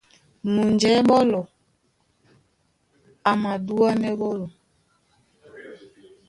Mujɛ̌ɓólɔ a madúánɛ́ ɓɔ́lɔ̄.